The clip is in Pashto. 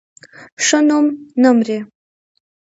ښه نوم نه مري